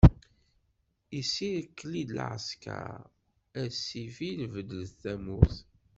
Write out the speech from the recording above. Isirkli-d lɛesker, a ssifil bedlet tamurt.